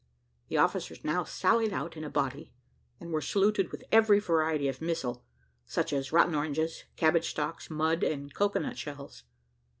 The officers now sallied out in a body, and were saluted with every variety of missile, such as rotten oranges, cabbage stalks, mud, and cocoa nut shells.